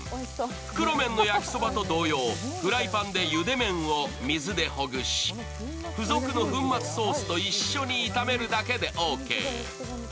袋麺の焼そばと同様フライパンでゆで麺を水でほぐし、付属の粉末ソースと一緒に炒めるだけでオーケー。